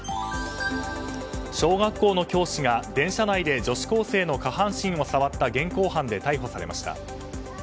小学校の教師が電車内で女子高生の下半身を触った現行犯で逮捕されました。